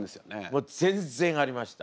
もう全然ありました。